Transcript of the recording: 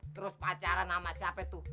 terus pacaran sama siapa tuh